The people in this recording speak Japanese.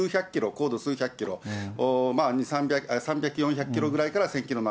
高度数百キロ、３００、４００キロぐらいから１０００キロの